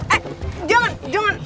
eh jangan jangan